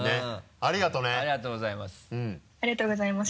ありがとうございます。